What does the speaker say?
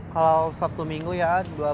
kalau sabtu minggu ya dua ratus delapan puluh